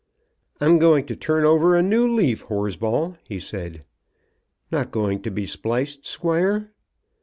"I'm going to turn over a new leaf, Horsball," he said. "Not going to be spliced, squire?"